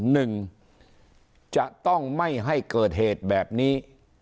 หนึ่งจะต้องไม่ให้เกิดเหตุแบบนี้